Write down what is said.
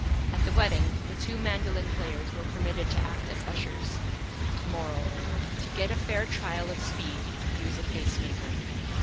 At the Wedding the two Mandolin Players were permitted to act as Ushers. MORAL: To get a fair Trial of Speed use a Pace Maker.